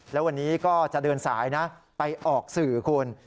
แล้ววันนี้ก็จะเดินสายนะไปออกสื่อคุณ